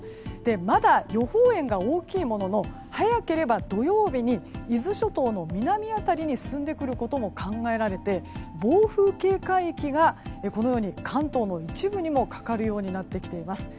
まだ予報円が大きいものの早ければ土曜日に伊豆諸島の南辺りに進んでくることも考えられて暴風警戒域がこのように、関東の一部にもかかるようになってきています。